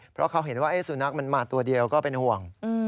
เพราะเขาเห็นว่าสุนัขมันมาตัวเดียวก็เป็นห่วง